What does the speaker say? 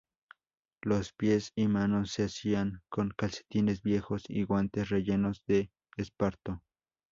Los pies y manos se hacían con calcetines viejos y guantes rellenos de esparto.